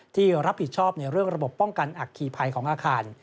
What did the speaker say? ที่รับผิดชอบในเรื่องระบบป้องกันอัคคีภัยของอาคาร